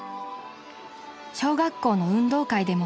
［小学校の運動会でも］